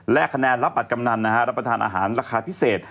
และคะแนนรับบัตรกำนันรับประทานอาหารราคาพิเศษ